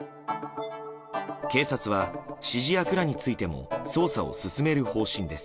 警察は指示役らについても捜査を進める方針です。